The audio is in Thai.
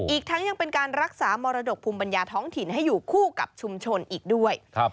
อีกทั้งยังเป็นการรักษามรดกภูมิปัญญาท้องถิ่นให้อยู่คู่กับชุมชนอีกด้วย